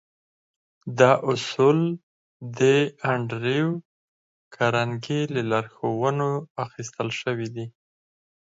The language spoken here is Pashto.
دا اصول د انډريو کارنګي له لارښوونو اخيستل شوي دي.